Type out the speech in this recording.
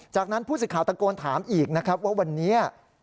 จากนั้นผู้สิทธิ์ข่าวตะโกนถามอีกว่าวันนี้